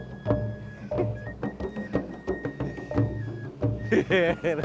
iya oke iya oke ia sudah mau biarkan